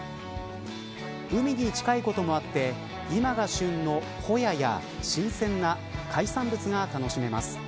海に近いこともあって今が旬のホヤや新鮮な海産物が楽しめます。